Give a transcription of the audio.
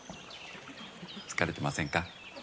疲れてませんか？